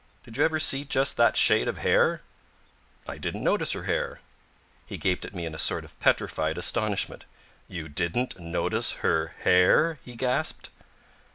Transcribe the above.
Did you ever see just that shade of hair?" "I didn't notice her hair." He gaped at me in a sort of petrified astonishment. "You didn't notice her hair!" he gasped.